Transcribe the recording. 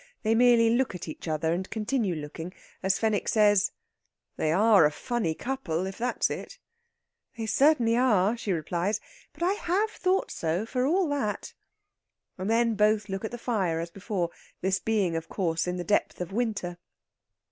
They merely look at each other, and continue looking as Fenwick says: "They are a funny couple, if that's it!" "They certainly are," she replies. "But I have thought so, for all that!" And then both look at the fire as before, this being, of course, in the depth of winter.